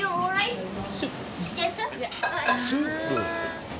スープ？